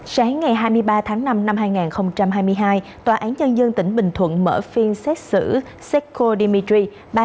sáng ngày hai mươi ba tháng năm năm hai nghìn hai mươi hai tòa án nhân dân tỉnh bình thuận mở phiên xét xử secco dmitry